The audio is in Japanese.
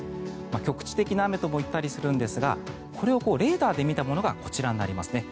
局地的な雨とも言ったりするんですがこれをレーダーで見たものがこちらになりますね。